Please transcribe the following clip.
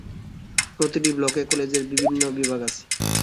প্রতিটি ব্লকে কলেজের বিভিন্ন বিভাগ আছে।